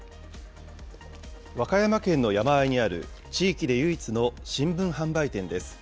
和歌山県の山あいにある地域で唯一の新聞販売店です。